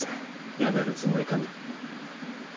辞めるつもりかね？